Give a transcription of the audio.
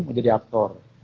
mau jadi aktor